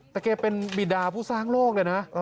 แต่แกเป็นบิดาผู้สร้างโลกเลยนะ